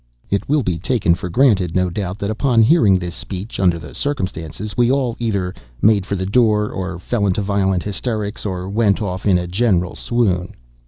It will be taken for granted, no doubt, that upon hearing this speech under the circumstances, we all either made for the door, or fell into violent hysterics, or went off in a general swoon.